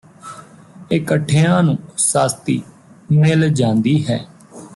ਇੱਕਠਿਆਂ ਨੂੰ ਸਸਤੀ ਮਿਲ ਜਾਂਦੀ ਹੈ